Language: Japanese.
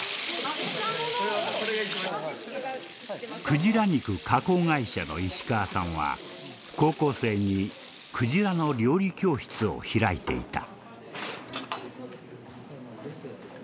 クジラ肉加工会社の石川さんは高校生にクジラの料理教室を開いていた。